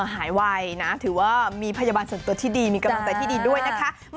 หายไวนะถือว่ามีพยาบาลส่วนตัวที่ดีมีกำลังใจที่ดีด้วยนะคะ